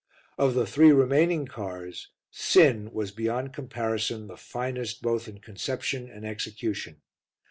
Of the three remaining cars, Sin was beyond comparison the finest both in conception and execution.